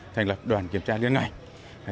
thành lập đoàn kiểm tra liên ngành